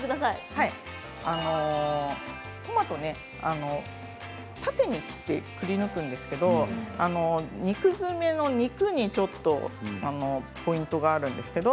トマトを縦に切ってくりぬくんですけれど肉詰めの肉にちょっとポイントがあります。